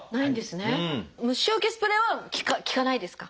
虫よけスプレーは効かないですか？